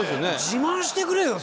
自慢してくれよ！